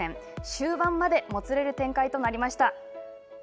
終盤までもつれる展開となりました。